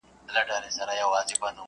نه محتاج د تاج او ګنج نه د سریر یم!.